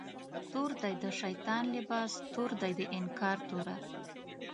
تور دی د شیطان لباس، تور دی د انکار توره